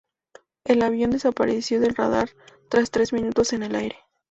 El avión desapareció del radar tras tres minutos en el aire.